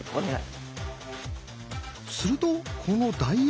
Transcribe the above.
するとこの「ダイヤの７」を。